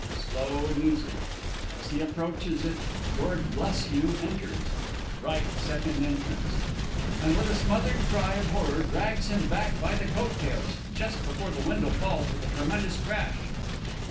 Slow music. As he approaches it,_ Lord BLESHUGH enters (R 2 E), _and, with a smothered cry of horror, drags him back by the coat tails just before the window falls with a tremendous crash.